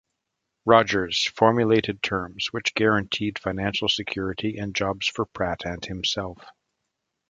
Rogers formulated terms, which guaranteed financial security and jobs for Pratt and himself.